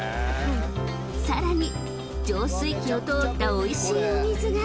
［さらに浄水器を通ったおいしいお水が］